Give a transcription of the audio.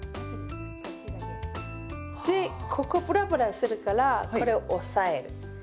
でここブラブラするからこれ押さえる。